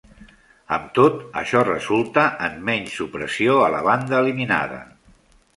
Amb tot, això resulta en menys supressió a la banda eliminada.